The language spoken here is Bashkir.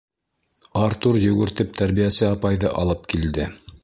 Артур йүгертеп тәрбиәсе апайҙы алып килде.